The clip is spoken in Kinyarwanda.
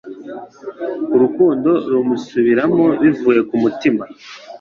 Urukundo rumusubiramo bivuye kumutima